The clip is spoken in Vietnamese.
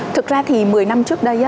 thực ra thì một mươi năm trước đây